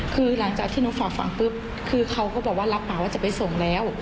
คือหลังจากที่น้องฝากฝั่งปุ๊บคือเขาก็บอกว่ารับมาว่าจะไปส่งแล้ว